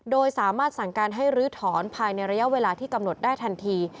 โดยสามารถสั่งการให้ลื้อถอนภายในระยะเวลาที่กำหนดได้ทันที